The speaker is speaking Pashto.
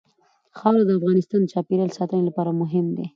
خاوره د افغانستان د چاپیریال ساتنې لپاره مهم دي.